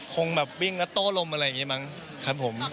คงแบบวิ่งแล้วโต้ลมอะไรอย่างนี้มั้งครับผม